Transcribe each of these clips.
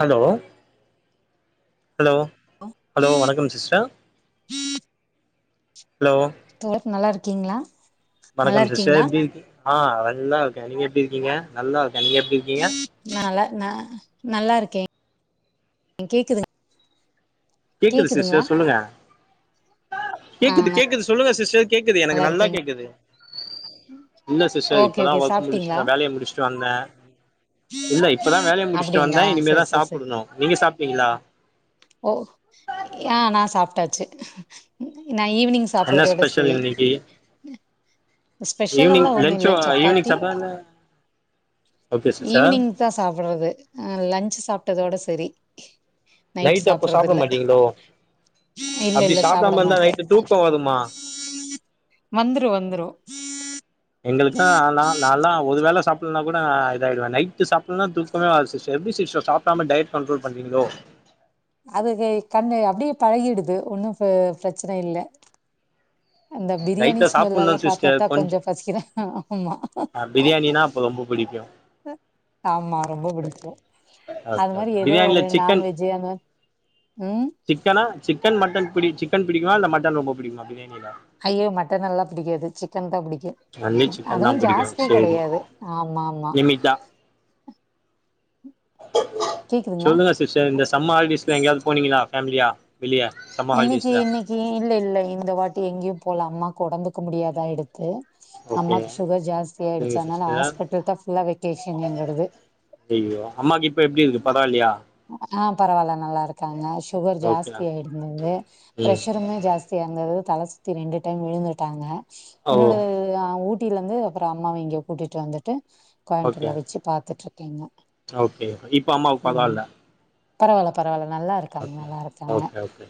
hello hello hello வணக்கம் sister தோழர் நல்லா இருக்கீங்களா நல்லா வணக்கம் சிஸ்டர் இருக்கீங்களா எப்டி இருக்கீங் ஆ நல்லா இருக்கே நீங்க எப்டி இருக்கீங்க நல்லா இருக்கே நீங்க எப்டி இருக்கீங்க நால ந நல்லா இருக்கே கேக்குதுங் கேக்குது சிஸ்டர் சொல்லுங்க ஆ கேக்குது கேக்குது சொல்லுங்க சிஸ்டர் கேக்குது எனக்கு நல்லா கேக்குது இல்ல சிஸ்டர் ஓகே இப்பதா ஓகே ஒர்க் முடிச்சி சாப்ட்டீங்களா நா வேலைய முடிச்சிட்டு வந்தே இல்ல இப்பதா வேலைய முடிச்சிட்டு அப்டிங்களா வந்தே செரி இனிமேதா செரி செரி சாப்பிடணு நீங்க சாப்பிட்டீங்களா ஓ ஆ நா சாப்பிட்டாச்சு நா ஈவினிங் என்ன சாப்படுறதோட ஸ்பெஷல் சேரி இன்னைக்கி ஈவினிங் ஸ்பெஷல்ல்லா ஒண்ணு லன்ச்சோ இல்ல ஈவினிங் சாப்பாத்தி சாப்டா இல்ல ஓகே சிஸ்டர் ஈவினிங் தா சாப்பிடுறது‌ ஆ லஞ்ச் சாப்ட்டதோட சேரி நைட்டு நைட் அப்போ சாப்படுறது சாப்ட இல்ல மாட்டீங்களோ இல்ல அப்டி இல்ல சாப்பட சாப்டாம இருந்தா மாட்டே நைட்டு தூக்கோ வருமா வந்துரு வந்துரு எங்களுக்கெல்லா நா நாலா ஒரு வேல சாப்பலனா கூட நா இத ஆயிருவே நைட்டு சாப்பலனா தூக்கமே வராது சிஸ்டர் எப்டி சிஸ்டர் சாப் படாம டயட் கண்ட்ரோல் பண்றீங்களோ அதுக்கு கண்ணு அப்படியே பழகிடுது ஒன்னு ப பிரச்சன இல்ல அந்த பிரியாணி நைட்ல சாப்புட்ணு ஸ்மெல்ல சிஸ்டர் பாத்ததா கொஞ்ச கொஞ்சோ பசிக்குது ஆமா ஆ பிரியாணினா அப்ப ரொம்ப புடிக்கு ஆமா ரொம்ப பிடிக்கு அது ஓகே மாரி ஓகே ஏதோ பிரியாணில ஒரு சிக்கன் நான்வெஜ் அந்த ம் சிக்கனா சிக்கன் மட்டன் பிடி சிக்கன் பிடிக்குமா இல்ல மட்டன் ரொம்ப பிடிக்குமா பிரியாணியில ஐயோ மட்டன் எல்லா பிடிக்காது சிக்கன் தா பிடிக்கு ஒன்லி சிக்கன் தா அதுவு பிடிக்கு ஜாஸ்தி சேரி கிடையாது ஆமா ஆமா லிமிட்டா கேக்குதுங்களா சொல்லுங்க சிஸ்டர் இந்த சம்ம ஹாலிடேஸ்லா எங்கயாவது போனீங்களா ஃபேமிலியா வெளிய சம்மர் இன்னைக்கி ஹாலிடேஸ்ல இன்னைக்கி இல்ல இல்ல இந்த வாட்டி எங்கேயு போல அம்மா உடம்புக்கு முடியாதா ஆயிடுச் கு ஓகே அம்மாக்கு சுகர் ஜாஸ்தி ஆயிடுச்சி சரிங்க அதனால சிஸ்டர் ஹாஸ்பிட்டல தா ஃபுல்லா வெக்கேஷன் எங்களோடது ஐயையோ அம்மாக்கு இப்ப எப்டி இருக்கு பரவாயில்லையா ஆ பரவாயில்ல நல்லா இருக்காங்க சுகர் ஓகே ஜாஸ்தி ஆயிருந்தது ம் ப்ரெஷருமே ஜாஸ் சி அந்தது தல சுத்தி ரெண்டு டைம் விழுந்துட்டாங்க ஓ என்னோட அ ஊட் ஊட்டில இருந்து அப்பறோ அம்மாவ இங்க கூட்டிட்டு வந்துட்டு ஓகே கோயம்புர்ல வச்சு பாத்துட்டு இருக்கீங்க ஓகே இப்ப அம்மாவுக்கு பரவல பரவால்ல பரவால்ல நல்லா இருக்காங்க நல்லா இருக்காங்க ஓகே ஓகே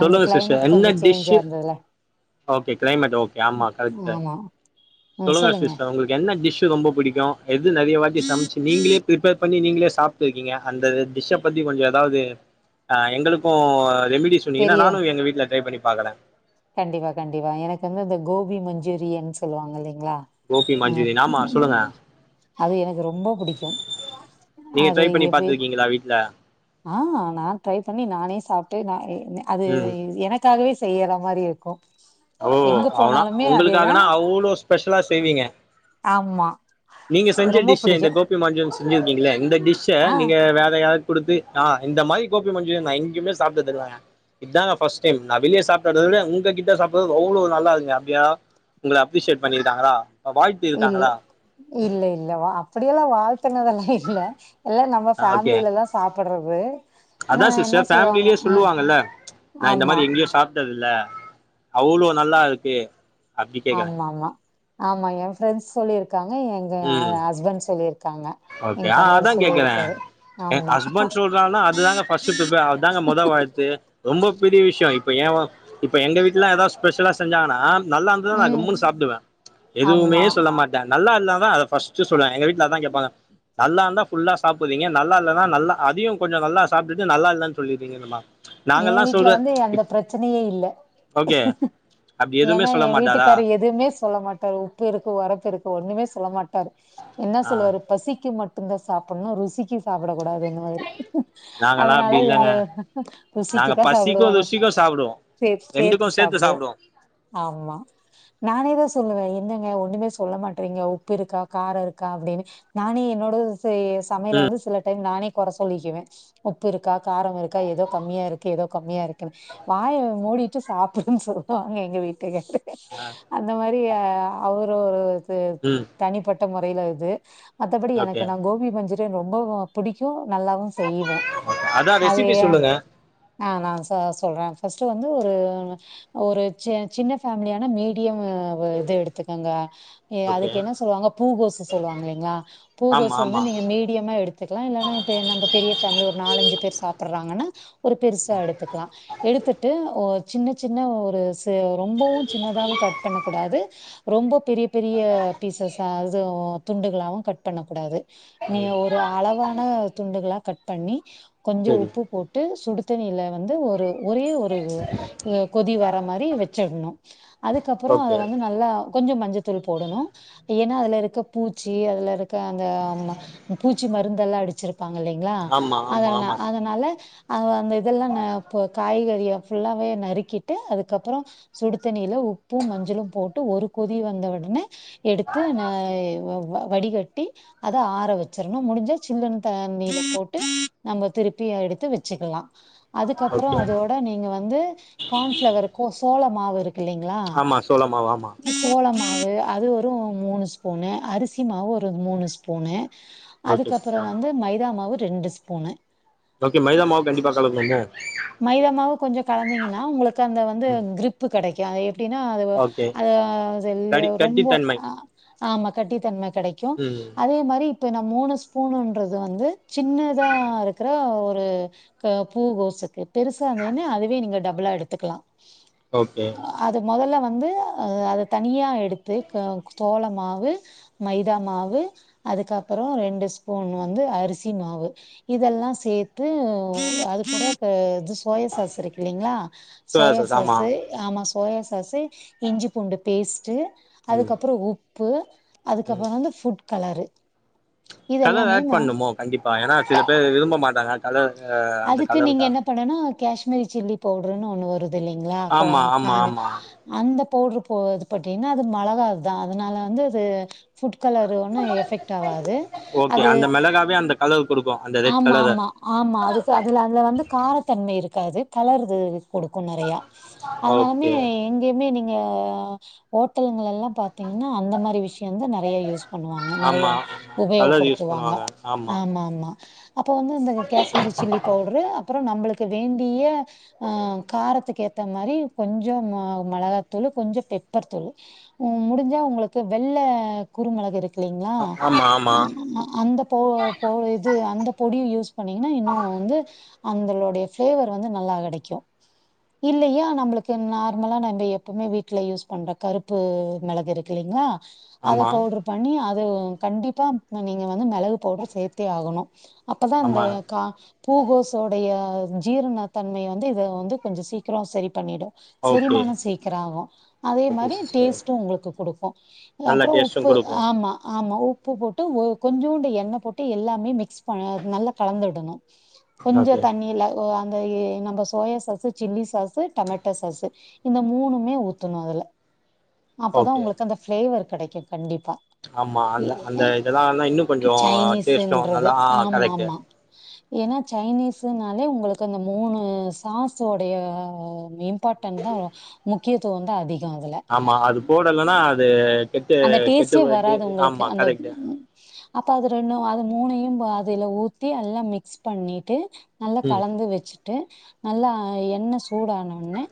அந்த சிஸ்டர் கிளைமேட் என்ன கொஞ்சோ சேஞ்ச் டிஷ்ஷு ஆந்ததுல ஓகே கிளைமேட் ஓகே ஆமா கரெக்டு ஆமா சொல்லுங்க சிஸ்டர் உங்களுக்கு என்ன டிஷ் ரொம்ப பிடிக்கு எது நிறையட்டி சமைச்சு நீங்களே பிப்பேர் பண்ணி நீங்களே சாப்ட்டு இருக்கீங்க அந்த டிஷ் அ பத்தி கொஞ்சோ ஏதாவது ஆ எங்களுக்கு ரெமிடி சொன்னீங்கன்னா தெரிய நானு எங்க வீட்டுல ட்ரை பண்ணி பாக்கறே கண்டிப்பா கண்டிப்பா எனக்கு வந்து இந்த கோபி மஞ்சூரியன் சொல்லுவாங்க இல்லீங்களா கோபி அ மஞ்சூரியன் ஆமா சொல்லுங்க அது எனக்கு ரொம்ப பிடிக்கு நீங்க ட்ரை பண்ணி பாத்துருக்கீங்களா வீட்ல ஆ நா ட்ரை பண்ணி நானே சாப்ட்டு நா அது ம் எனக் அதுக்காகவே செய்ற மாரி இருக்கு ஓ எங்க அவனா போனாலுமே அதேதா உங்களுக்காகனா அவ்ளோ ஸ்பெஷலா செய்வீங்க ஆமா நீங்க சஞ்ச ரொம்ப டிஷ் இந்த புடிக்கு கோப் மஞ்சூரன் செஞ்சுருக்கீங்களே இந்த டிஷ்ஷ ஆ நீங்க வேறயா கொடுத்து ஆ இந்த மாரி கோப்பி மஞ்சுரியன் நா எங்கேமே சாப்டதில்லங்க இதாங்க ஃபர்ஸ்ட் டைம் நா வெளியே சாப்டத விட உங்கிட்ட சாப் அவ்ளவு நல்லா இருங்க [unintelligible] அப்டியா உங்கள அப்ரிசியேட் பண்ணிருக்காங்களா வாழ்த்தி இல்ல இருக்காங்களா இல்ல இல்ல அப்படியெல்லா வாழ்த்துனது எல்லா இல்ல எல்லா நம்ம ஆ ஓகே ஃபேமிலதா சாப்பிட்றது அதா சிஸ்டர் ஃபேமிலயே சொல்லுவாங்கல்ல ச் நா இந்த ஆமா மாதிரி எங்கயோ சாப் சாப்டது இல்ல அவ்ளோ நல்லா இருக்கு அப்டி கேக்குறே ஆமா ஆமா ஆமா எ ஃப்ரெண்ட்ஸ் சொல்லியிருக்காங்க எங்க ம் ஹஸ்பண்ட் சொல்லியிருக்காங்க ஓகே என் ஆ கணவர் அதா கேக்குறே சொல்லியிருக்காரு எ ஆமா ஹஸ்பண்ட் சொல்றாங்கன்னா அது தாங்க ஃபர்ஸ்ட் ப்ரெபி அதாங்க மொத வாழ்த்து ரொம்ப பெரிய விஷயோ இப்போ ஏ இப்போ எங்க வீட்ல லா ஏதாவது ஸ்பெஷலா செஞ்சாங்கன்னா நல்லா இருந்ததுனா நா ம் கம்முனு சாப்பிடுவே ச் எதுவுமே ஆமா சொல்ல மாட்டே நல்லா இருந்தா தா அத ஃபர்ஸ்ட் சொல்வே எங்க வீட் இதா தா கேப்பாங்க நல்லா இருந்தா ஃபுல்லா சாப்பிட்றீங்க நல்லா இல்லன்னா நல்லா அதயு கொஞ்சோ நல்லா சாப்டிட்டு நல்லா இல்லன்னு சொல்லீறீங்க நம்மா எ வீட்ல வந்து அந்த பிரச்சனயே இல்ல ஓகே அப்டி எதுவுமே ஏன்னா சொல்ல எ மாட்டாரா வீட்டுக்காரு எதுவுமே சொல்ல மாட்டரு உப்பு இருக்கு ஒரப்பு இருக்கு ஒண்ணுமே சொல்ல மாட்டாரு என்ன ஆ சொல்லுவாரு பசிக்கு மட் தா சாப்பிட்ணு ருசிக்கு சாப்பிட கூடாதுனு வாரு நாங்கல்லா அதனால அப்டி எங்க இல்லங்க நாங்க சக்குதா [unintelligible] பசிக்கு சாப்பிடுவானு ருசிக்கு சாப்டுவோ சேத்து சேத்து ரெண்டுக்கு சாப்பிடு சாப்டுவோ ஆமா நானே தா சொல்லுவே என்னங்க ஒண்ணுமே சொல்ல மாட்றீங்க உப்பு இருக்கா காரோ இருக்கா அப்டின்னு நானே என்னோட சமையல ம் வந்து சில டைம் நானே குற சொல்லிக்குவே உப்பு இருக்கா காரம் இருக்கா ஏதோ கம்மியா இருக்கு ஏதோ கம்மியா இருக்குன்னு வாய மூடிட்டு சாப்பிடுன்னு சொல்லுவாங்க எங்க வீட்டுக்காரார் ஆ அந்த மாரி அவரு ஒரு இது ம் தனிப்பட்ட முறையில இது மத்தபடி ஓகே ஓகே எனக்கு நா கோபி மஞ்சூரியன் ரொம்ப பிடிக்கு நல்லாவு செய்வே அதா அது ரெசிபி எ சொல்லுங்க ஆ நாச சொல்றே ஃபர்ஸ்ட் வந்து ஒரு ஒரு ச சின்ன ஃபேமிலியான மீடியம் இது எடுத்துங்கங்க ஓகே அதுக்கு என்ன சொல்லுவாங்க பூகோசு சொல்லுவாங்க இல்லலைங்களா ஆமா பூகோசு வந்து ஆமா நீங்க மீடியமா எடுத் கத்துக்கலா இல்லன்னா இப்ப நம்ம பெரிய ஃபேமிலி ஒரு நாலஞ்சு பேர் சாப்பிடுறாங்கன்னா ஒரு பெருசா எடுத்துக்கலா எடுத்துட் டு ஒ சின்ன சின்ன ஒரு ச ரொம்பவு சின்னதாவு கட் பண்ண கூடாது ரொம்ப பெரிய பெரிய பீசஸ்ஸா அது துண்டுகளாவு கட் பண்ண கூடாது நீ ம் ஒரு அளவான துண்டுகளா கட் பண்ணி கொஞ்சோ சரி உப்பு போட்டு சுடுதண்ணியில வந்து ஒரு ஒரே ஒரு கொதி வர மாரி வச்சிடணு அதுக்கப்பறோ அத ஓகே வந்து நல்லா கொஞ்சோ மஞ்சத்தூள் போடணு ஏன்னா அதுல இருக்க பூச்சி அதில இருக்க அந்த ஆமா பூச்சி மருந்தெல்லா அடிச்சிருக் ப்பாங்க இல்லலைங்களா ஆமா அத ஆமா ஆமா அதனால அது அந்த இதெல்லா ந காய்கறிய ஃபுல்லாவே நறுக்கிட்டு அதுக்கப்பறோ சுடு தண்ணியில உப்பு மஞ்சளு போட்டு ஒரு கொதி வந்த உடனே எடுத்து ந வ வ வடிகட்டி அத ஆற வச்சரனு முடிஞ்சா சில்லுன் தண்ணீல போட்டு நம்ப திருப்பி எடுத்து வச் ச்சிக்கலா அதுக்கப்புறோ ஓகே அதோட நீங்க வந்து கான்ஃபிளவர்க்கு சோளமாவு இருக் கில்லைங்களா ஆமா சோள மாவு ஆமா சோளமாவு அது வெறு மூனு ஸ்பூனு அரிசி மாவு ஒரு மூனு ஸ்பூனு ஓகே அதுக்கப்புறோ சிஸ்டர் வந்து மைதா மாவு ரெண்டு ஸ்பூனு ஓகே மைதாமாவ் கண்டிப்பா கலக்குனுமோ மைதாமாவு கொஞ்சோ கலந்திங்கன்னா உங்களுக்கு அந்த வந்து ம் கிரிப்பு கெடைக்கு எப் ப்டின்னா அது வ ஓகே கடி அதுல்யோ ரொம்போ கட்டித்தன்மை ஆமா கட்டித்தன்ம கெடைக் க்கு ம் அதே மாரி ப்பு நா மூனு ஸ்பூனுன்றது வந்து சின்னதா இருக்கிற ஒரு க பூ கோசுக்கு பெருசாநன்னு அதுவே நீங்க டபுளா எடுத்துக்கலா ஓகே அது மொதல்ல வந்து அ அத தனியா எடுத்து க தோளமாவு மைதாமாவு அதுக்கப்புறோ ரெண்டு ஸ்பூன் வந்து அரிசிமாவு இதெல்லா சேத்து அது கூட க இது சோயா சாஸ் இருக்கு இல்லிங்களா சோயா சாஸ் ஆமா சாஸு ஆமா சோயாசாஸு இஞ்சி பூண்டு பேஸ்ட்டு ம் அதுக்கப்புறோ உப்பு ம் அதுக்கப்புறோ வந்து ஃபுட் கலரு கலர் இதெல்லாமே ஏட் மா பண்ணுமோ கண்டிப்பா ஏனா சில பேர் விரும்பமாட்டாங்க கலர் அ அந்த அதுக்கு நீங்க கலருக்கா என்ன பண்ணனு கேஷ்மீர் சில்லி பவுட்ருன்னு ஒன்னு வரு து இல்லிங்களா கொ ஆமா ஆமா காஞ்ச ஆமா அந்த பவுர்ரு போ இது போட்டீன்னா அது மழகாதா அதனால வந்து அது ஃபுட் கலர் ஒன்னு எஃபெக்ட் ஆவாது ஓகே அது அந்த மிளகாவே அந்த கலர் குடுக்கு அந்த ரெட் ஆமா கலர ஆமா ஆமா அதுத்து அதுல அதுல வந்து காரத்தன்மை இருக்காது கலருது குடுக்கு நெறையா அதனாலுமே ஓகே இங்கே மே நீங்க ஓட்டலுங்கலெல்லா பாத்தீங்ன்னா அந்த மாரி விஷ்யந்து நெறைய யூஸ் பண்ணுவாங்க நெறைய ஆமா கலர் யூஸ் உபயோகப்படுத்துவாங்க பண்ணுவாங்க ஆமா ஆமா அப்ப வந்து இந்த கேஷ்மீரி சில்லி பவுர்ரு அப்புறோ நம்புளுக்கு வேண்டிய அ காரத்துக்கு ஏத்த மாரி கொஞ்சோ ம மளகாத்தூளு கொஞ்ச பெப்பர் தூளு ம் முடிஞ்சா உங்களுக்கு வெள்ள குறுமெளகு இருக் க்லிங்களா ஆ- ஆமா ஆமா அ அந்த பவ் [unintelligible] து அந்த பொடியு யூஸ் பண்ணீங்கன்னா இன்னு வந்து அந்தளுடைய ஃபிளேவர் வந்து நல்லா கெடைக்கு இல்லயா நம்புளுக்கு நார்மலா நம்ப எப்புமே வீட்ல யூஸ் பண்ற கருப்பு மிளகு இருக்கு இல்லிங்களா அத ஆமா பவுடர் பண்ணி அது கண்டிப்பா நீங்க வந்து மெளகு படர் சேத் த்தே ஆகணு அப்பதா இந்த ஆமா கா பூகோசோடைய ஜீரண தன்மைய வந்து இத வந்து கொஞ்ச சீக்கிரோ சரி பண்ணிடு ஓகே செரிமான சீக்கிர ஆகு அதே ஓகே மாரி சிஸ்டர் டேஸ்ட்டு உங்களுக்கு குடுக்கு நல்ல அப்புறோ டேஸ்ட்டும் உப்பு குடுக்கும் ஆமா ஆமா உப் உப்பு போட்டு ஒ கொஞ்சூண்டு எண்ண போட்டு எல்லாமே மிக்ஸ் பணு நல்லா கலந்துடனு கொஞ்ச ஓகே தண்ணில்ல ஒ அந்த எ நம்ப சோயா சாசு சில்லி சாசு டமேட்டா சாசு இந்த மூனுமே ஊத்தணு அதுல அப்பதா ஓகே உங்களுக்கு அந்த ஃபிளேவர் கெடைக்கு கண்டிப்பா ஆமா எ அந்த அந்த இதெல்லானா இன்னு கொஞ்சோ டேஸ்ட்டு சைனீஸுன்றது நல்லா ஆ கரெக்ட் ஏனா சைனீஸ்ஸுனாலே உங்களுக்கு அந்த மூனு சாசோடைய மீம் இம்பார்டன்ட் தா வரு முக்கியத்துவோ வந்து அதிக அதுல ஆமா அது போடலனா அது கெட்டு அந்த கெட்டு டேஸ்ட்டே போயிட்டு வராது உங்களுக்கு ஆமா அந்த கரெக்ட்டு அப்ப அது ரெண்டு அது மூணையும் அதுல ஊத்தி எல்லா மிக்ஸ் பண்ணிட்டு நல்லா ம் கலந்து வெச்சி ட்டு நல்லா எண்ணெ சூடான ஒன்னே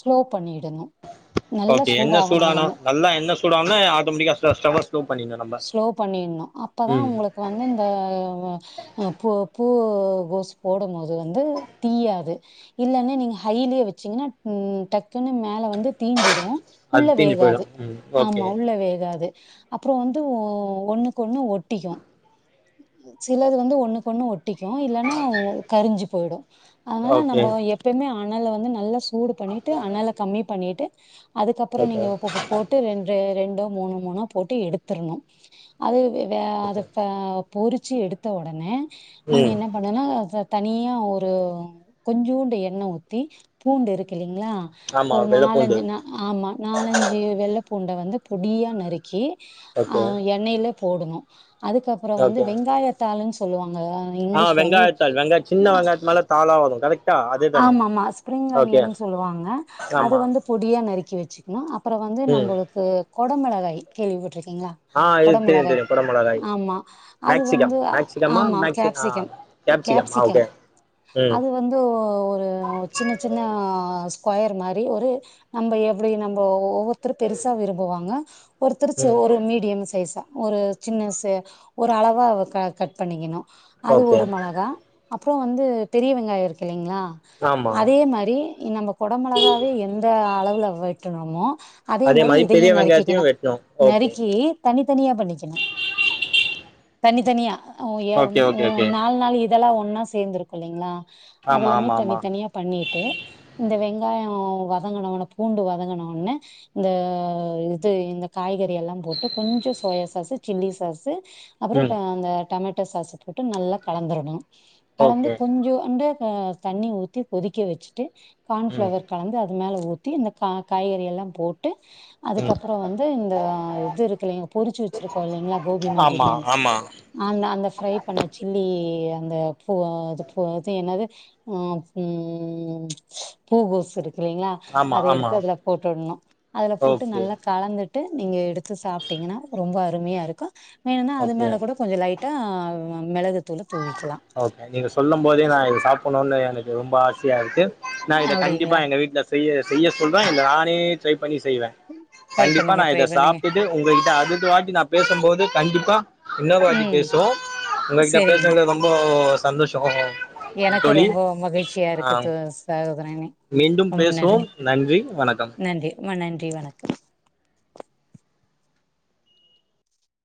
ஸ்லோ பண்ணிடுங்க ஓகே எண்ணெ சூடானா நல்லா என்ன சூடனா ஆட்டோமேட்டிக்க ஸ்டவ்வ ஸ்லோ பண்ணினு நம் ஸ்லோ பண்ணின்ணு அப்பதா உங்களுக்கு வந்து இந்த அ பூ பூ கோசு போடும் போது வந்து தீயாது இல்லன்னா நீங்க ஹைலயே வெச்சீங்கன்னா டக்குன்னு மேல வந்து தீஞ்சிடு உள்ள அது தீஞ்சு வேகாது போயிடும் ம் ஆமா ஓகே உள்ள வேகாது அப்புறோ வந்து ஒன்னுக்கு ஒண்ணு ஒட்டிக்கு சிலது வந்து ஒண்ணுக்கு ஒன்னு ஒட் டிக்கு இல்லன்னா கரிஞ்சு போயிடு அதனால ஓகே நம்போ எப்புமே அனல வந்து நல்லா சூடு பண்ணிட்டு அனல கம்மி பண்ணிட்டு அதுக்கப்புறோ ஓகே நீங்க உப்பு போ போட்டு ரெண்டு ரெண்டு மூனு மூனா போட்டு எடுத்துரணு அது வே அத ஓகே பல பொறிச்சு எடுத்த உடனே நீங்க ம் என்ன பண்ணனா தனியா ஒரு கொஞ்சூண்டு எண்ணெ ஊத்தி பூண்டுருக்கு இல்லிங்ளா ஆமா ஒரு வெள்ளப்பூண்டு நாலஞ்சு நா ஆமா நாலஞ்சு வெள்ள பூண்ட வந்து பொடியா நறுக்கி அ ஓகே எண்ணெயில போடணு அதுக்கப்புறோ வந்து ஓகே வெங்காயத்தாள்ன்னு சொல்லுவாங்கல்ல ஆ வெங்காயத்தள் வெங்காய சின்ன வெங்காயத்து மேல தாளா வரு கரெக்ட் ஆமாமா ஸ்பிரிங் அனியன்னு சொல்லுவாங்க அது ஆமா வந்து பொடியா நறுக்கி வெச்சுக்கணு அப்புற வந்து ம் நம்பளுக்கு கொடமெளகாய் கேள்விப்பட்டுருக்கீங்களா ஆ இது தெரியு தெரியு கொடமொளகாய் அது மேக்சிகம் வந்து மேக்சிகமா ஆமா மேட்சிங் அ கேப்சிகம் கே கேப்ஸிகம் ஆ கேப்சிகம் ஓகே ம் அது வந்து ஒரு சின்ன சின்ன ஸ்கொயர் மாரி ஒரு நம்ப எப்டி நம்ம ஒவ்வொருத்தரு பெருசா விரும்புவாங்க ஒருத்தருச்சு ம் ஒரு மீடியம் சைஸா ஒரு சின்ன ச ஒரு அளவா க கட் பண்ணிக்கணு அது ஓகே ஒரு மொளகா அப்புறோ வந்து பெரிய வெங்காயருக்கு இல்லைங்களா ஆமா அதே மாரி நம்ம கொட மொளகாவே எந்த அளவுல வெட்டனமோ அதே மாரி இதையு பெரிய நறுக்கிக்கணு வெங்காயத்தையு வெட்ணு ஓகே நறுக்கி தனித்தனியா பண்ணிக்கணு தனித்தனியா ஆ எ ஓகே உ ஓகே ஓகே நாலு நாள் இதெல்லா ஒன்னா சேந்திருக்கு இல்லைங்களா ஆமா அதெல்லாமே ஆமா ஆமா தனித் தனியா பண்ணிட்டு இந்த வெங்காயோ வதங்குன வொன்ன பூண்டு வதங்கின ஒன்னே இந்த இது இந்த காய்கறி எல்லா போட்டு கொஞ்ச சோயா சாசு சில்லி சாசு அப்புறோ ம் அ அந்த டொமேட்டோ சாசு போட்டு நல்லா கலந்துரணு கலந்து ஓகே கொஞ்சோண்டு அ தண்ணி ஊத்தி கொதிக்க வெச்சுட்டு ம் கார்ன்ஃப்ளவர் கலந்து அது மேல ஊத்தி இந்த கா காய்கறி யெல்லா போட்டு ம் அதுக்கப்புறோ வந்து இந்த இது இருக்குல்லைங் பொரிச்சு வெச்சிருக்கோ இல்லைங்ளா கோபி ஆமா மஞ்சூரியன் ஆமா அந்த அந்த ஃப்ரை பண்ண சில்லி அந்த பூ இ பூ இது என்னது ம் ம் பூக்கோசு இருக்குல்லைங்ளா ஆமா அத ஆமா எடுத்து அதுல போட்டுட்ணு அதுல போட்டு ஓகே நல்லா கலந்துட்டு நீங்க எடுத்து சாப்பிட்டிங்கனா ரொம்ப அருமையா இருக்கு வேனுன்னா அது ஓகே மேலக் கூடோ கொஞ்ச லைட்டா மெளகுத்தூளு தூவிக்கலா ஓகே நீங்க சொல்லும் போதே நா இத சாப்பணுனு எனக்கு ரொம்ப ஆசையா இருக்கு நா இத கண்டிப்பா அப்டிங்களா எங்க வீட்ல செய்ய செய்ய சொல்ற இல்ல நானே ட்ரைப் பண்ணி செய்வே ட்ரை கண்டிப்பா பண்ணுங்க நா ட்ரை இத பண்ணுங்க சாப்பிட்டு உங்ககிட்ட அடுத்த வாட்டி நா பேசும்போது கண்டிப்பா இன்னொரு வாட்டி ம் பேசுவோ உங்ககிட்ட செரிங்க பேசினதுல ரொம்ப சந்தோஷோ எனக்கு தோழி ரொம்ப மகிழ்ச்சியா ஆ இருக்குது சசோதரனே மீண்டும் பேசுவோம் நன்றி வணக்கம் ம்ப நன்றி வணக்கம்